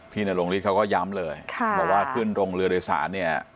พี่นโรงลิศเขาก็ย้ำเลยแต่ว่าขึ้นตรงเรือเรศาเนี่ย